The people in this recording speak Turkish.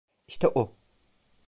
İşte o.